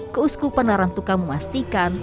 keuskupan larang tuka memastikan